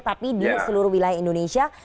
tapi di seluruh wilayah indonesia